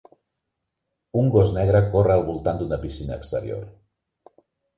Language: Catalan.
Un gos negre corre al voltant d'una piscina exterior.